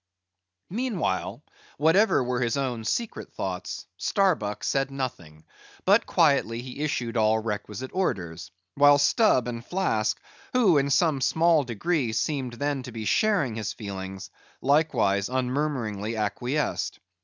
Meanwhile, whatever were his own secret thoughts, Starbuck said nothing, but quietly he issued all requisite orders; while Stubb and Flask—who in some small degree seemed then to be sharing his feelings—likewise unmurmuringly acquiesced.